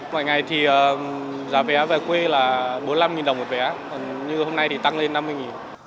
mọi ngày thì giá vé về quê là bốn mươi năm đồng một vé nhưng hôm nay thì tăng lên năm mươi đồng